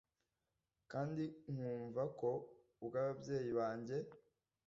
kandi nkumva ko ubwo ababyeyi banjye